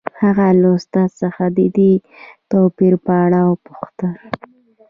هغه له استاد څخه د دې توپیر په اړه وپوښتل